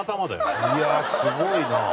いやすごいな。